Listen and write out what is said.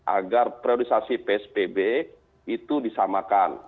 agar priorisasi psbb itu disamakan